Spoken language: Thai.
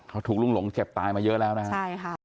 เขาถูกลุกหลงเจ็บตายมาเยอะแล้วนะฮะใช่ค่ะ